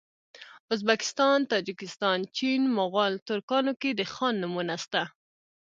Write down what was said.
ازبکستان تاجکستان چین مغول ترکانو کي د خان نومونه سته